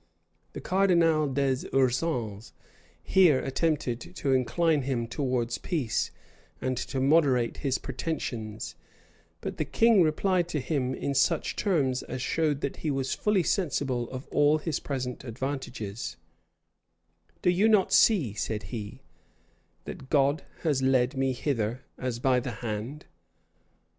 [] The cardinal des Ursins here attempted to incline him towards peace, and to moderate his pretensions; but the king replied to him in such terms as showed that he was fully sensible of all his present advantages: "Do you not see," said he, "that God has led me hither as by the hand?